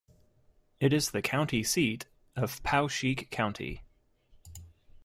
It is the county seat of Poweshiek County.